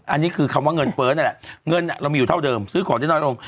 อันนี้คือคำว่าเงินเฟ้อนั่นแหละเงินเรามีอยู่เท่าเดิมซื้อของได้น้อยลง